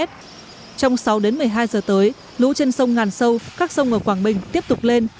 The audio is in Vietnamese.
trong sáu đến một mươi hai giờ tới lũ trên sông ngàn sâu các sông ở quảng bình tiếp tục lên